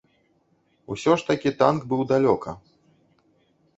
Усё ж такі танк быў далёка.